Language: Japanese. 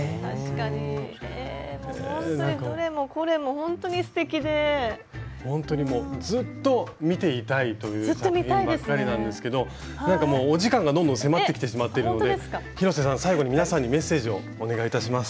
ほんとにずっと見ていたいという作品ばっかりなんですけどなんかもうお時間がどんどん迫ってきてしまっているので広瀬さん最後に皆さんにメッセージをお願いいたします。